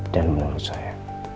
dan menurut saya